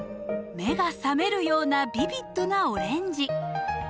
目が覚めるようなビビッドなオレンジ。